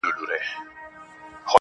دغه خوار ملنگ څو ځايه تندی داغ کړ~